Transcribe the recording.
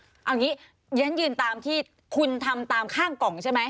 เอาอย่างนี้ฉันยืนตามที่คุณทำตามข้างกล่องใช่ไหม